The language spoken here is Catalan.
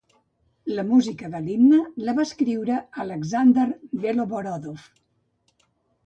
La música de l'himne la va escriure Alexander Beloborodov.